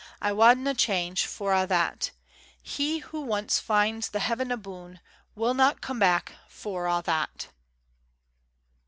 I wadna' change for a' that. He who once finds the Heaven aboon Will not come back for a' that.